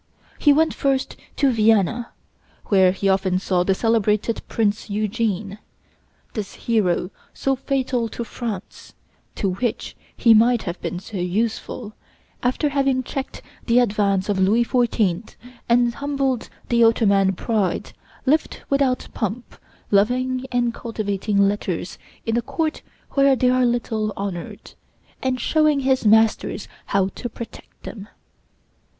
He went first to Vienna, where he often saw the celebrated Prince Eugene. This hero, so fatal to France (to which he might have been so useful), after having checked the advance of Louis XIV. and humbled the Ottoman pride, lived without pomp, loving and cultivating letters in a court where they are little honored, and showing his masters how to protect them.